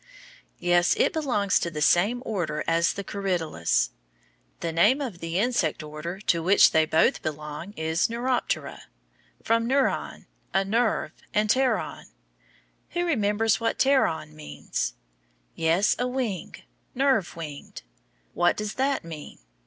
Yes, it belongs to the same order as the corydalus. The name of the insect order to which they both belong is Neuroptera, from neuron, a nerve, and pteron who remembers what pteron means? Yes, a wing. Nerve winged. What does that mean?